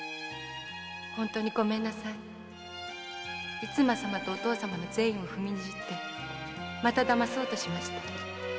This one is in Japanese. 逸馬様とお父様の善意を踏みにじってまた騙そうとしました。